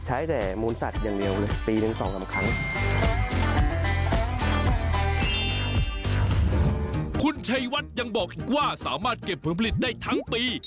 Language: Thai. คุณชัยวัดยังบอกอีกว่าสามารถเก็บผลผลิตได้ทั้งปี